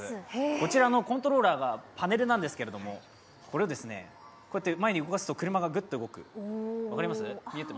こちらのコントローラーがパネルなんですけど前に動かすと車がぐっと動く。